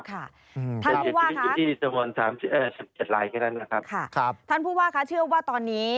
ท่านผู้ว่าคะท่านผู้ว่าคะเชื่อว่าตอนนี้